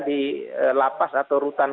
di lapas atau rutan